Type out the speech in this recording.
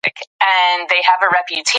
د ده په کلام کې پښتني فکر انځور شوی دی.